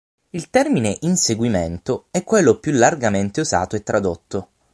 Il termine "inseguimento" è quello più largamente usato e tradotto.